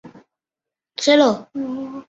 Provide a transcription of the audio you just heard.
如此可以降低财产和人口的损失。